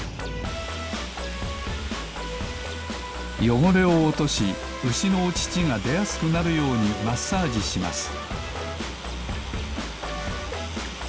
よごれをおとしうしのおちちがでやすくなるようにマッサージします